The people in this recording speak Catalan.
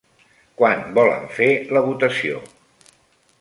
Quan volen fer la votació?